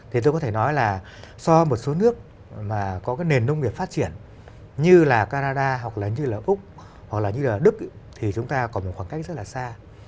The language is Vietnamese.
thì tôi có thể nói là so với một số nước mà có cái nền nông nghiệp phát triển như là canada hoặc là như là úc hoặc là như là đức thì chúng ta còn một khoảng cách rất là xa